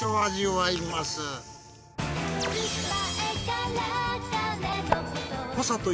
はい。